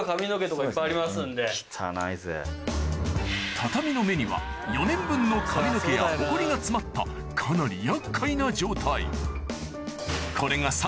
畳の目には４年分の髪の毛やホコリが詰まったかなり厄介な状態